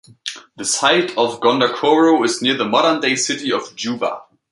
The site of Gondokoro is near to the modern-day city of Juba.